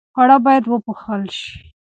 خواړه باید وپوښل شي.